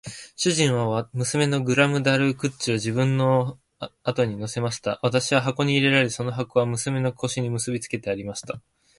主人は娘のグラムダルクリッチを自分の後に乗せました。私は箱に入れられ、その箱は娘の腰に結びつけてありました。